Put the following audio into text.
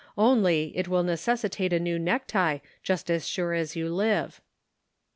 Only, it will necessitate a new necktie just as sure as you live."